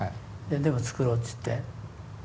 でも作ろうっつって。